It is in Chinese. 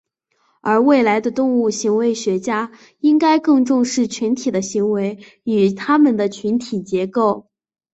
而未来的动物行为学家应该更重视群体的行为与它们的群体结构。